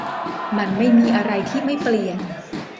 มันไม่มีอะไรที่ไม่เปลี่ยน